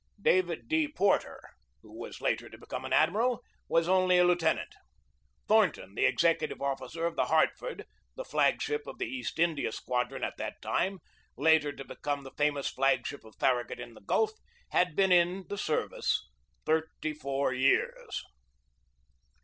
David D. Porter, who was later to become an admiral, was only a lieutenant. Thornton, the executive officer of the Hartford, the flag ship of the East India Squad ron at that time, later to become the famous flag ship of Farragut in the Gulf, had been in the service thirty four years.